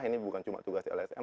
ini bukan cuma tugas lsm